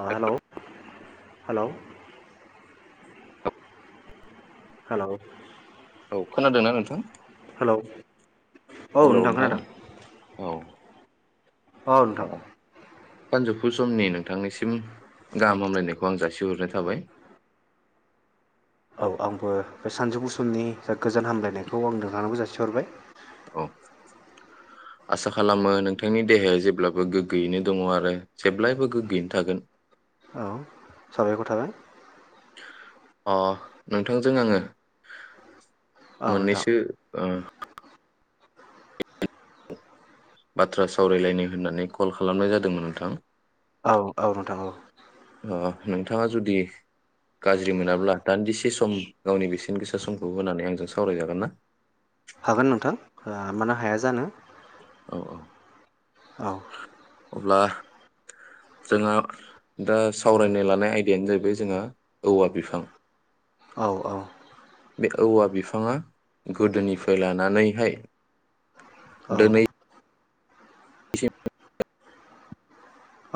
आ hello hello hello औ खोनादोंना नोंथां? हेलौ औ हेलौ नोंथां खोनादों औ औ नोंथां सानजौफु समनि नोंथांनिसिम गाहाम हामलायनायखौ आं जासिहरनाय थाबाय। औ आंबो बे सानजौफु समनि जा गोजान हामलायनायखौ आं नोंथांनोबो जासिहरबाय औ आसा खालामो नोंथांनि देहाया जेब्लाबो गोग्गोयैनो दङ आरो जेब्लायबो गोग्गोयैनो थागोन। औ साबायखर थाबाय अ नोंथांजों आङो औ नोंथां मोननैसो ओ बाथ्रा सावरायलायनो होननानै कल खालामनाय जादोंमोन नोंथां। औ औ नोंथां औ अ नोंथाङा जुदि गाज्रि मोनाब्ला दान्दिसे सम गावनि बेसेन गोसा समखौ होनानै आंजों सावरायजागोन ना? हागोन नोंथां ओ मानो हाया जानो औ औ औ अब्ला जोंहा दा सावरायनो लानाय आयदायानो जाहैबाय जोंहा औवा बिफां औ औ बे औवा बिफाङा गोदोनिफ्राय लानानैहाय औ दिनैसिम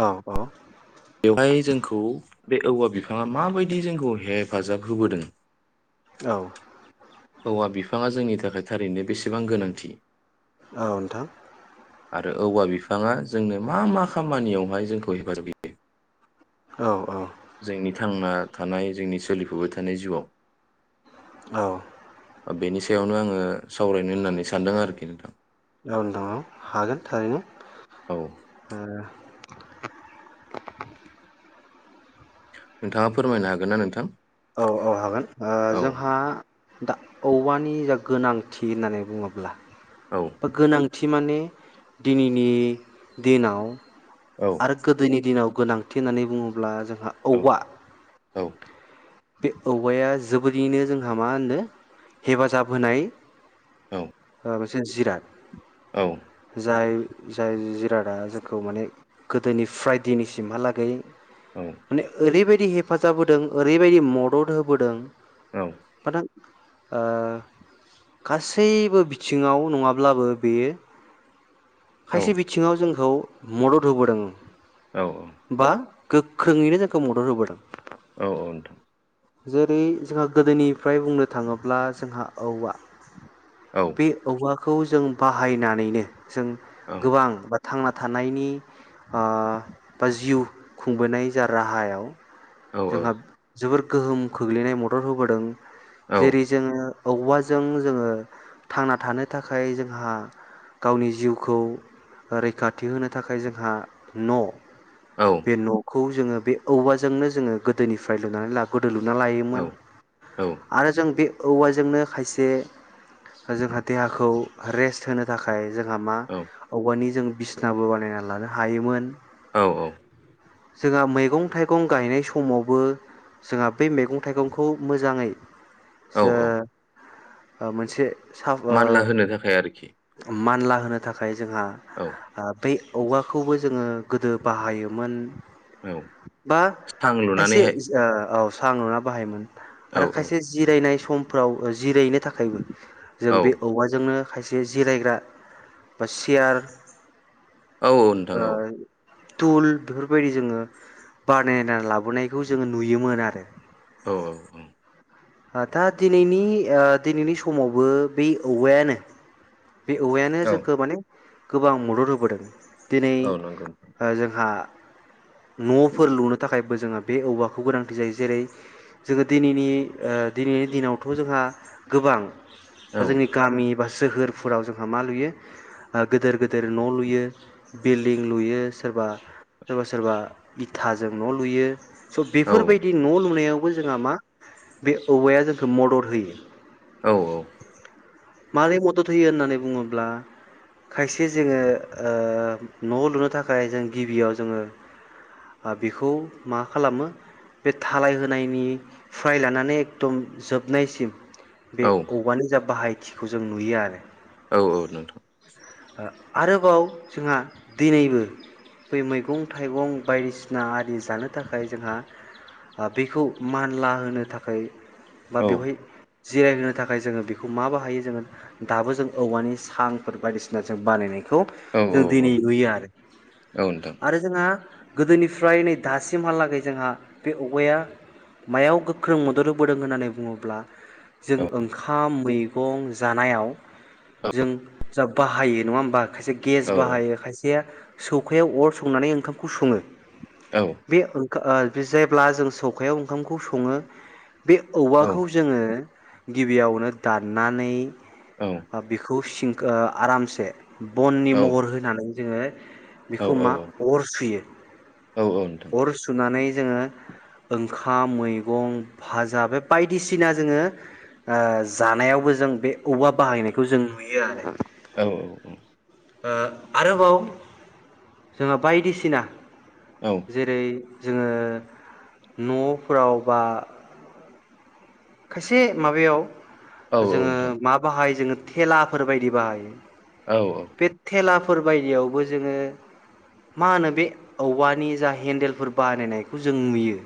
औ औ बेवहाय जोंखौ बे औवा बिफाङा माबायदि जोंखौ हेफाजाब होबोदों औ औवा बिफाङा जोंनि थाखाय थारैनो बेसेबां गोनांथि? औ नोंथां आरो औवा बिफाङा जोंनो मा मा खामानियावहाय जोंखौ हेफाजाब होयो औ औ जोंनि थांना थानाय जोंनि सोलिफुबाय थानाय जिउआव औ। बेनि सायावनो आङो सावरायनो होननानै सानदों आरोखि नोंथां। औ दङ हागोन थारैनो औ ओ नोंथाङा फोरमायनो हागोन ना नोंथां? औ औ हागोन ओ औ जोंहा दा औवानि गोनांथि होननानै बुङोब्ला। औ गोनां गोनांथि माने दिनैनि दिनाव औ आरो गोदनि दिनाव गोनांथि होन्नानै बुङोब्ला जों औ औवा। औ। बे औवाया जोबोरैनो जोंहा मा होनो हेफाजाब होनाय औ। मोनसे जिराद औ जाय जाय जिरादा जोंखौ माने गोदोनिफ्राय दिनैसिमहालागै माने ओरैबायदि हेफ हेफाजाब होदों ओरैबायदि मदद होबोदों औ मान [unintelligible] ओ गासैबो बिथिङाव नङाब्लाबो बेयो औ खायसे बिथिङाव जोंखौ मदद होबोदों औ बा गोख्रोङैनो जोंखौ मदद होबोदों। औ औ नोंथां। जेरै जोंहा गोदोनिफ्राय बुंनो थाङोब्ला जोंहा औवा औ बे औवा ख खौ जों बाहायनानैनो जों औ गोबां बा थांना थानायनि ओ बा जिउ खुंबोनाय जा राहायाव औ जोंहा जोबोर गोहोम खोख्लैनाय मदद होबोदों। औ जेरै जोङो औवाजों जोङो थांना थानो थाखाय जोंहा गावनि जिउखौ रैखाथि होनो थाखाय जोंहा न' औ बे न'खौ जोङो बे औवाजोंनो जोङो गोदोनिफ्राय लुनानै लाबो दोलुना औ लायोमोन आरो जों बे औवाजोंनो खायसे जोंहा देहाखौ रेस्ट होनो थाखाय जों हामा औवानि जों बिसनाबो बानायना लानो हायोमोन औ औ जोंहा मैगं थाइगं गायनाय सम समावबो जोंहा बै मैगं थाइगंखौ मोजाङै औ जो औ ओ मोनसे सा ओ मानला होनो थाखाय आरोखि मानला होनो थाखाय जोंहा औ बै औवाखौबो जोङो गोदो बाहायोमोन औ बा सां एसे लुनानैहाय ओ औ सां लुना बाहायोमोन औ आरो औ खायसे जिरायनाय समफ्राव जिरायनो थाखायबो जों औ बे औवाजोंनो जे जिरायग्रा बा सियार औ औ ओ नोंथां औ टुल बेफोरबायदि जोङो बानायनानै लाबोनायखौ जोङो नुयोमोन आरो औ औ औ दा दिनैनि दिनैनि समावबो बे औवायानो बे औवायानो औ जोंखौ माने गोबां मदद होबोदों दिनै औ नंगौ जोंहा न'फोर लुनो थाखाय जोंहा बे औवाखौ गोनांथि जायो जेरै जोङो दिनैनि दिनैनि दिनावथ' जोंहा गोबां औ बा जोंनि गामि बा सोहोर फोराव जोंहा मा लुयो गिदोर गोिदेर न' लुयो बिल्डिं लुयो सोरबा सोरबा सोरबा इथाजों न' लुयो स' औ बेफोरबायदि न' लुनायाव बो जोंहा मा बे औवाया जोंखौ मदद होयो । औ औ मारै म दद होयो होननानै बुङोब्ला खायसे जोङो ओ न' लुनो थाखाय जों गिबियाव जोङो ओ बेखौ मा खालामो बे थालाय होनायनि फ्राय लानानै एकदम जोबनायसिम बे औ औवानो जा बाहाय खिखौ जों नुयो आरो औ औ नोंथां । आरोबाव जोंहा दिनैबो बै मैगं थाइगं बायदिसिना आरदि जानो थाखाय जोंहा ओ बेखौ मानला होनो थाखाय बा औ बेवहाय जिरायहोनो थाखाय जोङो बेखौ मा बाहायो जोङो दाबो जों औवानि सांफोर बायदिसिना जों बानायनाय खौ औ औ जों दिनै नुयो आरो औ नोंथां आरो जोंहा गोदोनिफ्राय नै दासिमहालागै जोंहा बे औगाया मायाव गोख्रों मदद होबोदों होननानै बुङोब्ला जों औ ओंखाम मै गं जानायाव जों जा बाहायो नङा होमबा खायसे गेस औ बाहायो खायसेया सौखायाव अर संनानै ओंखामखौ सङो औ । बे ओं खो ओ जेब्ला जों सौखायाव ओंखामखौ सङो । बे औवाखौ जोङो गिबियावनो दाननानै ओ बेखौ सिंख आरामसे बननि औ महर होनानै जोङो औ बेखौ नोंथां मा अर सुयो । अर सुनानै जोङो ओंखाम मैगं फाजा बे बायदि सिना जोङो ओ जानायावबो जों बे औवाब बाहायनायखौ जों नुयो आरो औ औ। ओ आरोबाव जोंहा बायदिसिना औ नोंथां औ औ जेरै जोङो न'फोराव बा खायसे माबायाव जोङो औ मा बाहाय जोङो थेलाफोर बायदि बाहायो बेेथेलाफ फोरबायदियावबो जोङो मा होनो बे औवानि जा हेन्देलफोर बानायनायखौ जों नुयो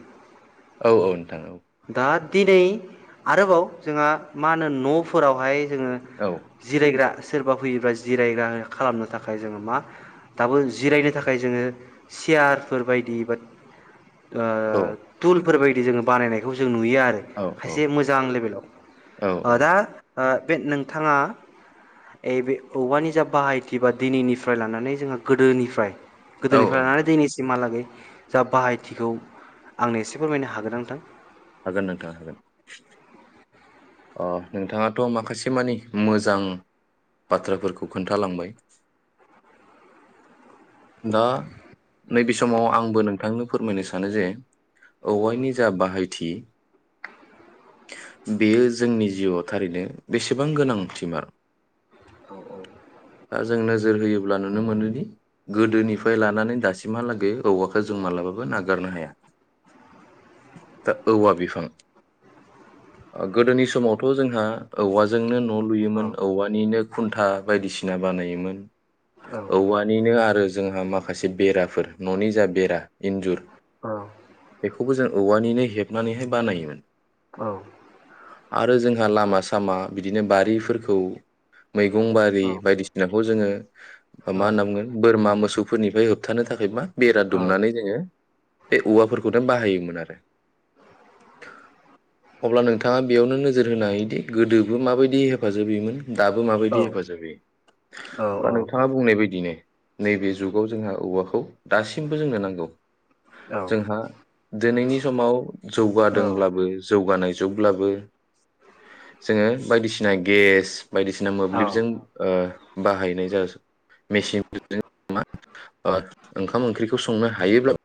औ औ नोंथां औ । दा दिनै आरोबाव जोंहा मा होनो न'फोरावहाय जोङो औ जिरायग्रा सोरबा फैयोब्ला जिरायग्रा खालामनो थाखाय जोङो मा दाबो जिरायनो थाखाय जोङो चियारफोर बायदि बा ओ औ थुल फोर बायदि जोङो बानायनाय थ' जोंङो नुयो आरो औ खायसे मोजां लेभेलाव औ अ दा ओ बे नोंथाङा ए बे औवानि जा बाहायथि बा दिनैनिफ्राय लानानै जोंहा गोदोनिफ्राय औ गोदोनिफ्राय नोंथां लानानै दैनै सिमहालागै जा बाहायथिखौ आंनो एसे फोरमायनो हागोन ओंथां? हागोन नोंथां हागोन? अ नोंथाङाथ' माखासे मानि मोजां बाथ्राफोरखौ खोन्थालांबाय दा नैबे समाव आंबो नोंथांनो फोरमायनो सानो जे औवायनि जा बाहायथि बेयो जोंनि जिउआव थारैनो बेसेबां गोनांथिमार? औ औ । दा जों नोजोर होयोब्ला नुनो मोनोदि गोदोनिफ्राय लानानै दासिमहालागै औवाखौ जों मालाबाबो नागारनो हाया दा औवा बिफां गोदोनि समावथ' जोंहा औवाजोंनो न' लुयोमोन औ औवानिनो खुन्था बायदिसिना बानायोमोन औ ओ औवानिनो आरो जोंहा माखासे बेराफोर न'नि जा बेरा इन्जुर औ । बेखौबो जों औवानिनो हेबनानैहाय बानायोमोन आरो जोंहा लामा सामा बिदिनो बारिफोरखौ मैगं बारि बायदिसिनाखौ जोङो मा होनना बुंगोन बोरमा मोसौफोरनिफ्राय होबथानो थाखाय मा बेरा दुमनानै जोङो बे औवाफोरखौनो बाहायोमोन आरो अब्ला नोंथाङा बेयावनो नोजोर होनो हायोदि गोदोबो माबायदि हेफाजाब होयोमोन दाबो माबायदि हेफाजाब होयो? अब्ला नोंथाङा बुंनाय बायदिनो नैबे जुगाव जोंहा औवाखौ दासिमबो जोंनो नांगौ जोंहा दिनैनि समाव जौगादोंब्लाबो जौगानाय जुगब्लाबो जोङो बायदिसिना गेस बायदिसिना मोब्लिबजों ओ बाहायनाय जादो मेसिन [inaudible] ओंखाम ओंख्रिखौ संनो हायोब्लाबो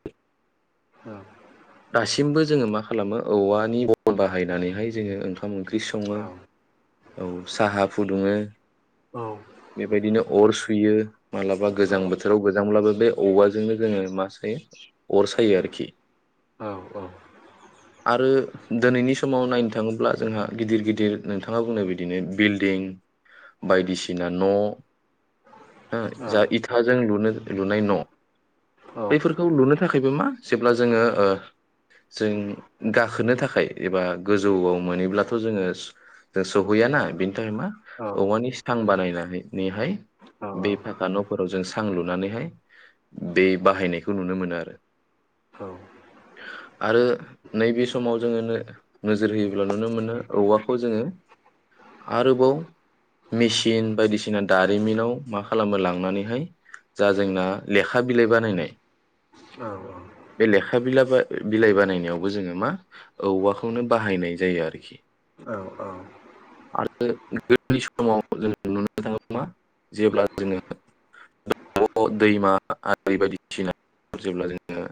दासिमबो जोङो मा खालामो औवानि बल बाहायनानैहाय जोङो ओंखाम ओंख्रि सङो औ साहा फुदुङो बेबायदिनो अर सुयो। माब्लाबा गोजां बोथोराव गोजांब्लाबो बे औवाजोंनो जोङो मा सायो अर सायो आरोखि आरो दिनैनि समाव नायनो थाङोब्ला जोंहा गिदिर गिदिर नोंथाङा बुंनो बिदिनो बिल्डिं बायदिसिना न' ओ जा इथा जों लुनो लुनाय न' बैफोरखौ लुनो थाखायबो मा जेब्ला जोङो जों गाखोनो थाखाय एबा गोजौआव मोनैब्लाथ' जोङो जों सहैयाना बिनि थाखाय मा औवानि सां बानायनायनिहाय बे फाखा न'फोराव जों सां लुनानैहाय बे बाहायनायखौ नुनो मोनो आरो औ आरो नैबे समाव जोङो नो नोजोर होयोब्ला नुनो मोनो औवाखौ जोङो आरोबाव मेसिन बायदिसिना दारिमिनाव मा खालामो लांनानैहाय जा जोंना लेखा बिलाइ बानायनाय बे लेखा बिलाइ बिलाइ बानायनायावबो जोङो मा औवाखौनो बाहायनाय जायो आरोखि औ औ आरो गोरलै समाव जों नुनो थाङो मा जेब्ला जोङो द दैमा आरि बायदिसिना जेब्ला जोङो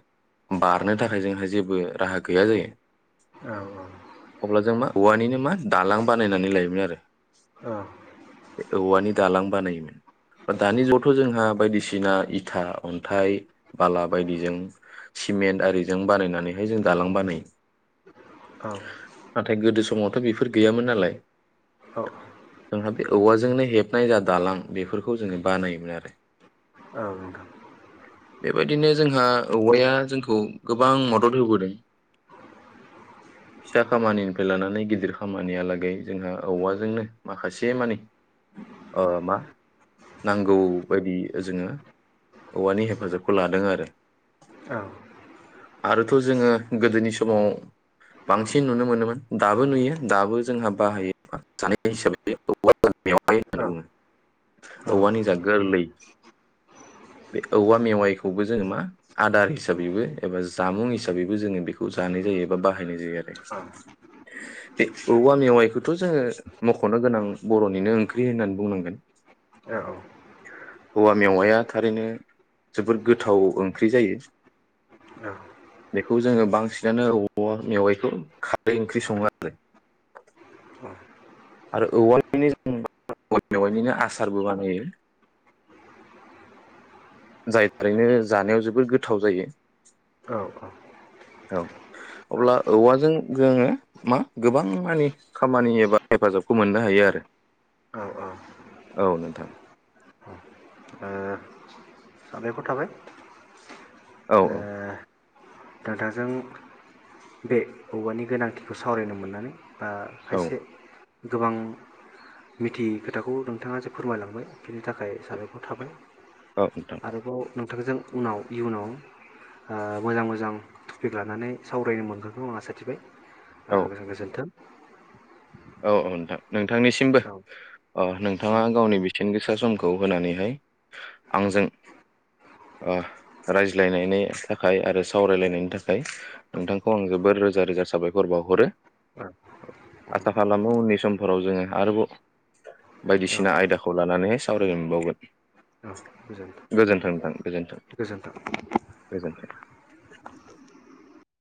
बारनो थाखाय जोंहा जेबो राहा गैया जायो औ औ अब्ला जों मा औवानिनो मा दालां बानायनानै लायोमोन आरो। ओ औवानि दालां बानायोमोन दानि जुगावथ जोंहा बायदिसिना इथा, अन्थाइ, बाला बायदिजों सिमेन्ट आरिजों बानायनानैहाय जों दालां बानायो। नाथाय गोदो समाव थ बेफोर गैयामोन नालाय। औ जोंहा बे औवाजोंनो हेबनाय जा दालां बेफोरखौ जोङो बानायोमोन आरो। औ नोंथां। बेबायदिनो जोंहा औवाया जोंखौ गोबां मदद होबोदों। फिसा खामानिनिफ्राय लानानै गिदिर खामानियालागै जोंहा औवाजोंनो माखासे मानि ओ मा नांगौ बायदि जोङो औवानि हेफाजाबखौ लादों आरो। औ आरोथ' जोङो गोदोनि समाव बांसिन नुनो मोनोमोन दाबो नुयो दाबो जोंहा बाहायो जानाय हिसाबैहाय [unintelligible] होननानै बुङो। औवानि जा गोरलै बे औवा मेवाइखौबो जोङो मा आदार हिसाबैबो एबा जामुं हिसाबैबो जोङो बेखौ जानाय जायो एबा बाहाय नाय जायो आरो। बे औवा मेवाइखौथ' जोङो मख'नो गोनां बर'निनो ओंख्रि होननानै बुंनांगोन। औ औवा मेवाया थारैनो जोबोद गोथाव ओंख्रि जायो। औ बेखौ जोङो बांसिनानो औवा मेवाइखौ खारै ओंख्रि सङो आरो। आरो औवानि जों औवा मेवाइनिनो आसारबो बानायो। जाय थारैनो जानायाव जोबोर गोथाव जायो। औ अब्ला औवाजों जों मा गोबां मानि खामानि एबा हेफाजाबखौ मोननो हायो आरो औ नोंथां। साबायखर थाबाय। औ ए नोंथांजों बे औवानि गोनांथिखौ सावरायनो मोननानै बा औ खायसे गोबां मिथियै खोथाखौ नोंथाङा जे फोरमायलांबाय बिनि थाखाय साबायखर थाबाय। औ नोंथा आरोबाव नोंथांजों उनाव इयुनाव ओ मोजां मोजां टपिक लानानै सावरायनो मोनगोनखौ आं आसा थिबाय। औ [unintelligible] गोजोन्थों। औ औ नोंथां नोंथांनिसिमबो अ नोंथाङा गावनि बेसेन गोसा समखौ होनानैहाय आंजों ओ रायज्लायनायनि थाखाय आरो सावरायलायनायनि थाखाय नोंथांखौ आं जोबोर रोजा रोजा साबायखर बाउहरो। आसा खालामो उननि समफोराव जोङो आरोबाव बायदिसिना आयदाखौ लानानैहाय सावरायनो मोनबावगोन गोजोन्थों नोंथां गोजोन्थों। गोजोन्थों। गोजोन्थों।